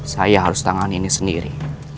saya harus tangani ini sendiri